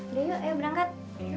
udah yuk ayo berangkat